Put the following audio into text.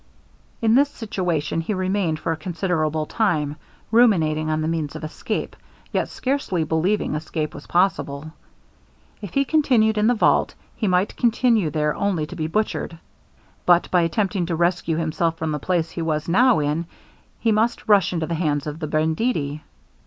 In this situation he remained for a considerable time, ruminating on the means of escape, yet scarcely believing escape was possible. If he continued in the vault, he might continue there only to be butchered; but by attempting to rescue himself from the place he was now in, he must rush into the hands of the banditti.